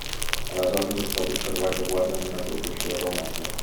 Aleshores es pot observar que guarden una proporció raonable.